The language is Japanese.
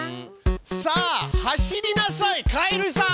さあ走りなさいカエルさん！